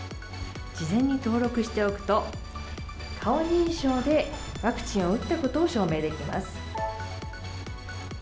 事前に登録しておくと、顔認証でワクチンを打ったことを証明できます。